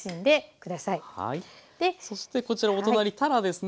そしてこちらお隣たらですね。